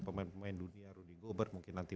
pemain pemain dunia rudy gobert mungkin nanti